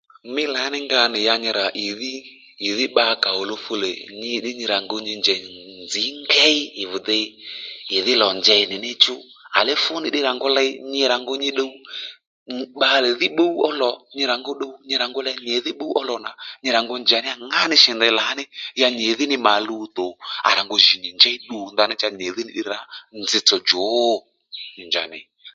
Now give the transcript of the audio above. Mí lǎní nga nì ya nyi rà ìdhí bbakàòluw fulè nyi ddí nyi rà ngu nyi njèy nzǐ ngéy ì vi dey ìdhí lò njey nì níchú ke fú nì ddí rà ngu ley nyi rà ngu nyi dduw bbalè dhí bbúw ó lò nyi rà ngu dduw nyi rà ngu ley nyì dhí bbúw ó lò nà nyi rà ngu njà ní yà ŋá nì shì ndey lǎní ya nyìdhí ni mà luwtò à rà ngu jì nyì chùw ddu ndaní cha nyìdhí ddí rǎ njitsò djǒ nyi nja ney